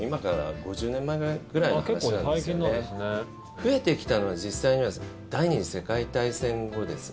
増えてきたのは実際には第２次世界大戦後ですね。